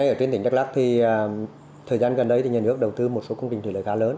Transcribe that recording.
ở trên tỉnh đắk lắc thì thời gian gần đây nhà nước đầu tư một số công trình thủy lợi khá lớn